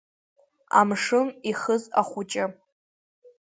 Амшын ихыз ахәыҷы…